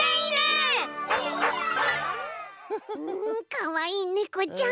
かわいいねこちゃん